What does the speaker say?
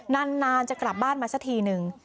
นานจะกลับบ้านมาสักทีนึง